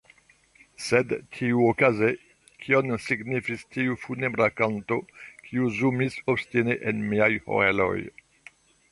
Sed, tiuokaze, kion signifis tiu funebra kanto, kiu zumis obstine en miaj oreloj?